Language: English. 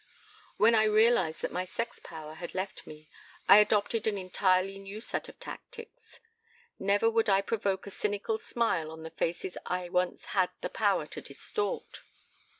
"When I realized that my sex power had left me I adopted an entirely new set of tactics never would I provoke a cynical smile on the faces I once had the power to distort!